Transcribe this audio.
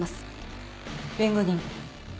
弁護人。